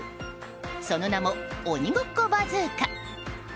その名も、鬼ごっこバズーカ。